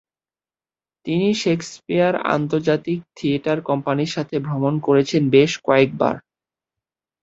তিনি শেক্সপিয়ার আন্তর্জাতিক থিয়েটার কোম্পানির সাথে ভ্রমণ করেছেন বেশ কয়েকবার।